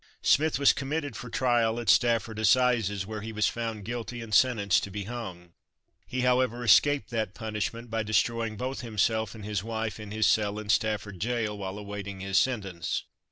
Smith was committed for trial at Stafford assizes, where he was found guilty and sentenced to be hung. He, however, escaped that punishment by destroying both himself and his wife in his cell in Stafford gaol, while awaiting his sentence.